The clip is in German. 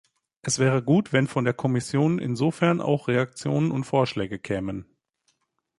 Es wäre gut, wenn von der Kommission insofern auch Reaktionen und Vorschläge kämen.